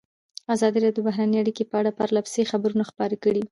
ازادي راډیو د بهرنۍ اړیکې په اړه پرله پسې خبرونه خپاره کړي.